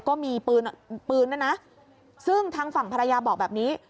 ก็มีปืนปืนด้วยนะซึ่งทางฝั่งภรรยาบอกแบบนี้